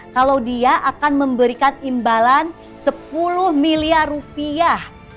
kalau dia akan memberikan imbalan sepuluh miliar rupiah